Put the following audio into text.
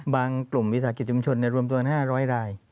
บางกลุ่มวิสาหกิจชุมชนรวมตัวกันห้าร้อยราย